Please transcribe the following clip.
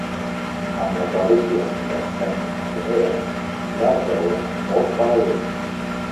Amb les relíquies de Saint Cunera, va atreure molts pelegrins.